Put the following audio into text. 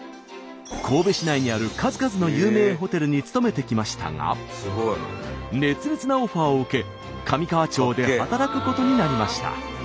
神戸市内にある数々の有名ホテルに勤めてきましたが熱烈なオファーを受け神河町で働くことになりました。